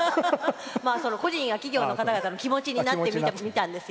個人や企業の方々の気持ちになってみたんです。